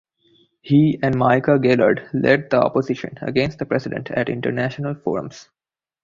He and Micha Gaillard led the opposition against the President at international forums.